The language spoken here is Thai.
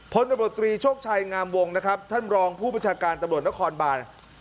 พลตำรวจตรีโชคชัยงามวงนะครับท่านรองผู้ประชาการตำรวจนครบาน